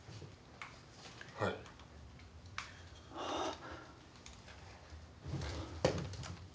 ああ。